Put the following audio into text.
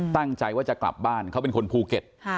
ตั้งใจว่าจะกลับบ้านเขาเป็นคนภูเก็ต